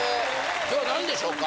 今日は何でしょうか。